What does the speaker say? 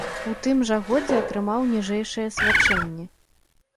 У тым жа годзе атрымаў ніжэйшыя свячэнні.